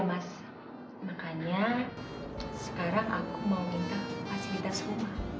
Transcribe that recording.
makanya sekarang aku mau minta fasilitas rumah